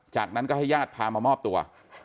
จากนั้นก็ให้ญาติพามามอบตัว